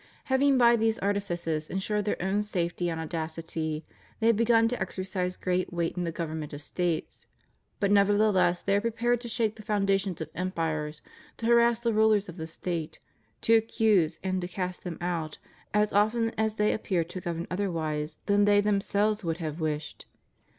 Having, by thes« 100 FREEMASONRY. artifices, insured their own safety and audacity, they have begun to exercise great weight in the government of States; but nevertheless they are prepared to shake the foundations of empires, to harass the rulers of the State, to accuse, and to cast them out, as often as they appear to govern otherwise than they themselves could have wished.